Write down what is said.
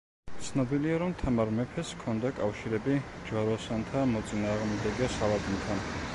ცნობილია, რომ თამარ მეფეს ჰქონდა კავშირები ჯვაროსანთა მოწინააღმდეგე სალადინთან.